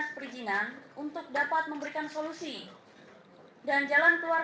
seharusnya memang kita bareng bareng